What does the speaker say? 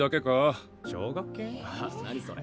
何それ？